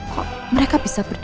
kok mereka bisa ke sana